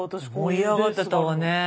盛り上がってたわね。